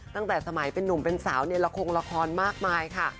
ตั้งแต่สมัยเป็นนุ่มเป็นสาวในละครละครมากมายค่ะ